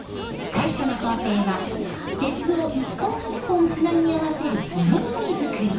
最初の工程は鉄を一本一本つなぎ合わせる骨組み作り。